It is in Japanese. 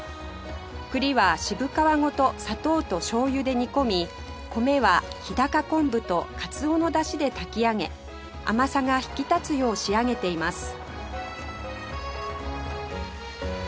栗は渋皮ごと砂糖と醤油で煮込み米は日高昆布とカツオのだしで炊き上げ甘さが引き立つよう仕上げています